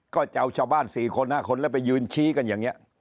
ก็จะเอาชาวบ้าน๔คน๕คนแล้วไปยืนชี้กันอย่างนี้